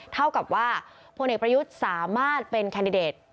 เท่ากับว่าพลเอกประยุทธ์สามารถเป็นแคนดิเดต